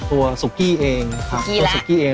ตัวสุกี้เองค่ะตัวสุกี้เอง